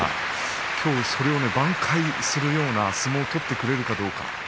きょうそれを挽回するような相撲を取ってくれるかどうか。